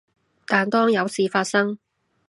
但當有事發生